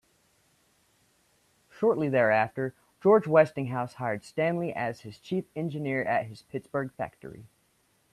Shortly thereafter, George Westinghouse hired Stanley as his chief engineer at his Pittsburgh factory.